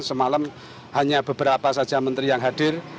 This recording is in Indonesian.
semalam hanya beberapa saja menteri yang hadir